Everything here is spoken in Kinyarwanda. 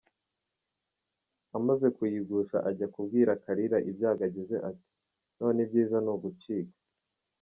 Amaze kuyigusha ajya kubwira Kalira ibyago agize; ati: «None ibyiza ni ugucika».